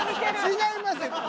違いますよ！